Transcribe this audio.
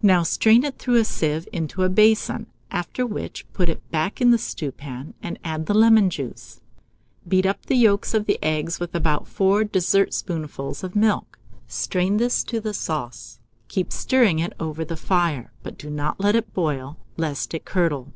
Now strain it through a sieve into a basin, after which put it back in the stewpan, and add the lemon juice. Beat up the yolks of the eggs with about 4 dessertspoonfuls of milk; strain this to the sauce, keep stirring it over the fire, but do not let it boil, lest it curdle.